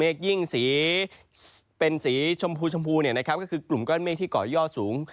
เมฆยิ่งสีเป็นสีชมพูคือกลุ่มเกาะเมฆที่เกาะย่อสูง